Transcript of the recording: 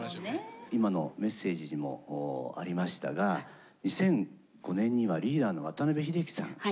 今のメッセージにもありましたがリーダーの渡辺英樹さん